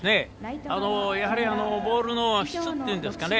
やはりボールの質というんですかね